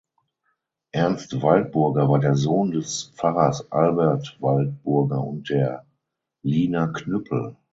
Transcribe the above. Ernst Waldburger war der Sohn des Pfarrers Albert Waldburger und der Lina Knüppel.